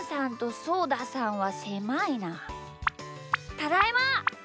ただいま！